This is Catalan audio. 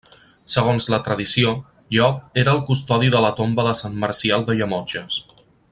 Segons la tradició, Llop era el custodi de la tomba de Sant Marcial de Llemotges.